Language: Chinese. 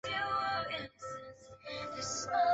鹤园角北帝庙目前由华人庙宇委员会管理。